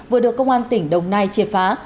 vừa được công an tỉnh đồng nai triệt phá